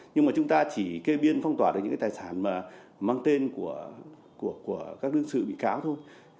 nhưng mà chúng ta chỉ kê biên phong tỏa được những cái tài sản mà mang tên của các đương sự bị cáo thôi